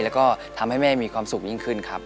แล้วก็ทำให้แม่มีความสุขยิ่งขึ้นครับ